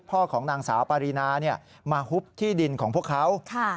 ของนางสาวปารีนามาฮุบที่ดินของพวกเขา